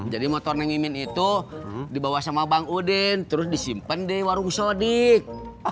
jadi motornya mimin itu dibawa sama bang udin terus disimpen di warung shodik